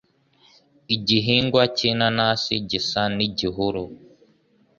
Igihingwa cy'inanasi gisa n'igihuru.